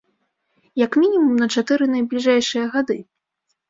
Як мінімум на чатыры найбліжэйшыя гады.